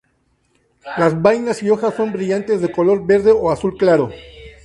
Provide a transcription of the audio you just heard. Las vainas y hojas son brillantes, de color verde o azul claro.